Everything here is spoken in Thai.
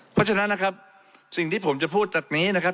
เพราะฉะนั้นนะครับสิ่งที่ผมจะพูดจากนี้นะครับ